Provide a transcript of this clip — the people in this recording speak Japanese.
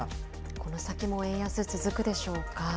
この先も円安、続くでしょうか？